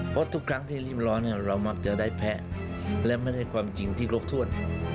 เพราะทุกครั้งที่ริ่มร้อนเรามักจะได้แพ้และไม่ได้ความจริงที่ครบถ้วน